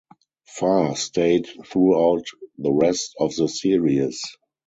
Farr stayed throughout the rest of the series.